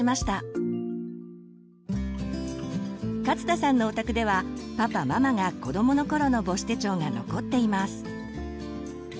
勝田さんのお宅ではパパママが子どもの頃の母子手帳が残っています。